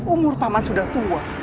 umur pak man sudah tua